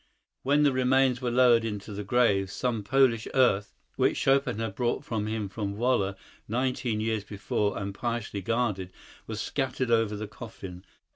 When the remains were lowered into the grave, some Polish earth, which Chopin had brought with him from Wola nineteen years before and piously guarded, was scattered over the coffin.